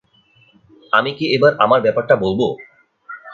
আমি কি এবার আমার ব্যাপারটা বলব?